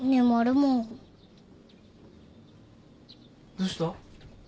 どうした？